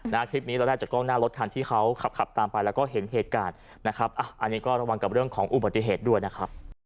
คลิปนี้เราได้จากกล้องหน้ารถคันที่เขาขับขับตามไปแล้วก็เห็นเหตุการณ์นะครับอ่ะอันนี้ก็ระวังกับเรื่องของอุบัติเหตุด้วยนะครับ